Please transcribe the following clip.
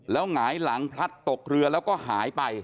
หงายหลังพลัดตกเรือแล้วก็หายไป